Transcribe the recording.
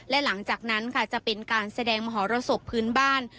และหลังจากนั้นค่ะจะเป็นการแสดงมหรสบพื้นบ้าน